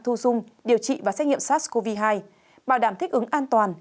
thu dung điều trị và xét nghiệm sars cov hai bảo đảm thích ứng an toàn